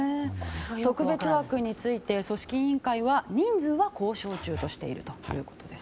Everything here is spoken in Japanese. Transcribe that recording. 特別枠について、組織委員会は人数は交渉中としているということです。